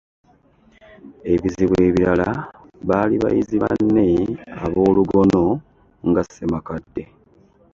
Ebizibu ebirala baali bayizi banne ab’olugono nga Ssemakadde.